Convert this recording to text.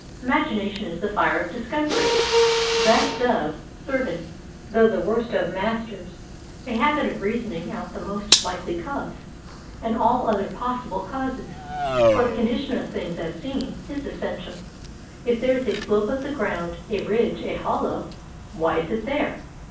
Imagination is the fire of discovery; the best of servants, though the worst of masters. A habit of rea soning out the most likely cause, and all other possible causes, for the condition of things as seen, is essential. If there is a slope of the ground, a ridge, a hollow — Why is it there?